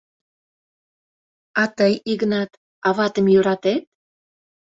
А тый, Игнат, аватым йӧратет?